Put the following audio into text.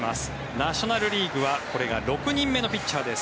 ナショナル・リーグはこれが６人目のピッチャーです。